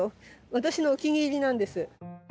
私のお気に入りなんです。